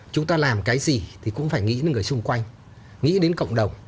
chúng ta làm cái gì thì cũng phải nghĩ đến người xung quanh nghĩ đến cộng đồng